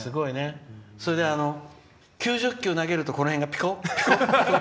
それで９０球投げるとこの辺がピコピコって。